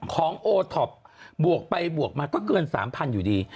โอท็อปบวกไปบวกมาก็เกิน๓๐๐อยู่ดี